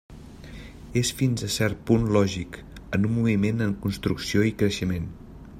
És fins a cert punt lògic en un moviment en construcció i creixement.